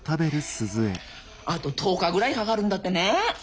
あと１０日ぐらいかかるんだってね。